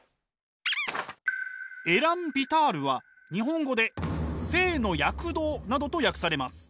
エラン・ヴィタールは日本語で「生の躍動」などと訳されます。